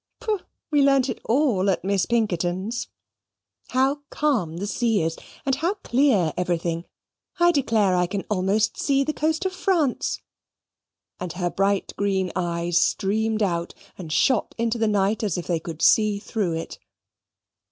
Pooh! we learned it all at Miss Pinkerton's! How calm the sea is, and how clear everything. I declare I can almost see the coast of France!" and her bright green eyes streamed out, and shot into the night as if they could see through it.